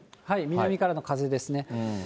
南からの風ですね。